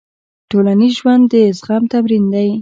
ټولنیز ژوند د زغم تمرین دی.